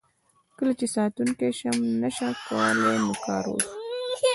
کله چې ساتونکي سم نشه شول نو کار وشو.